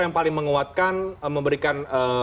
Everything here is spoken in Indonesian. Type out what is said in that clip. yang paling menguatkan memberikan